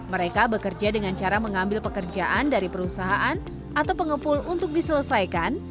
mereka bekerja dengan cara mengambil pekerjaan dari perusahaan atau pengepul untuk diselesaikan